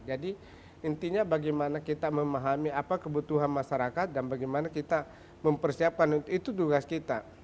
jadi intinya bagaimana kita memahami apa kebutuhan masyarakat dan bagaimana kita mempersiapkan itu tugas kita